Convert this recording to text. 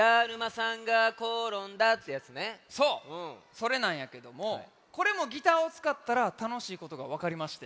それなんやけどもこれもギターをつかったらたのしいことがわかりまして。